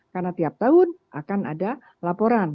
karena tiap tahun akan ada laporan